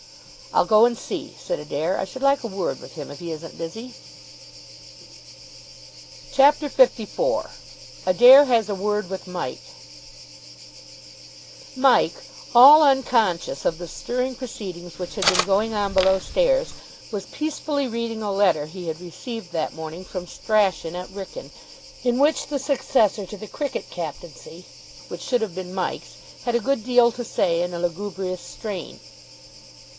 "I'll go and see," said Adair. "I should like a word with him if he isn't busy." CHAPTER LIV ADAIR HAS A WORD WITH MIKE Mike, all unconscious of the stirring proceedings which had been going on below stairs, was peacefully reading a letter he had received that morning from Strachan at Wrykyn, in which the successor to the cricket captaincy which should have been Mike's had a good deal to say in a lugubrious strain.